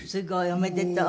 おめでとう。